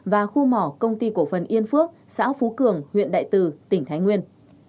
và khu mỏ công ty cổ phần yên phước xã phú cường huyện đại từ tỉnh thái nguyên